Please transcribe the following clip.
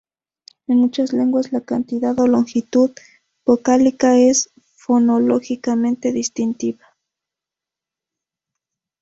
En muchas lenguas, la cantidad o longitud vocálica es fonológicamente distintiva.